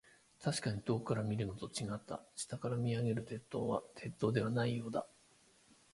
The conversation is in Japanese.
確かに遠くから見るのと、違った。下から見上げる鉄塔は、鉄塔ではないようだ。